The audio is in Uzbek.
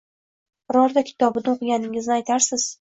Birorta kitobini oʻqiganingizni aytasiz